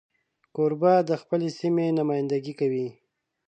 کوربه د خپلې سیمې نمایندګي کوي.